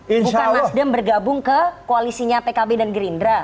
bukan nasdem bergabung ke koalisinya pkb dan gerindra